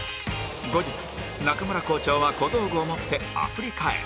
後日中村校長は小道具を持ってアフリカへ